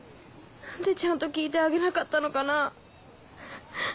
何でちゃんと聞いてあげなかったのかなぁ。